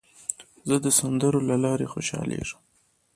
زه د سندرو له لارې خوشحالېږم.